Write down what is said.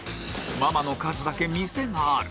ママの数だけ店がある